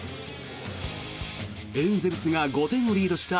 エンゼルスが５点をリードした